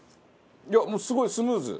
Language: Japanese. いやもうすごいスムーズ。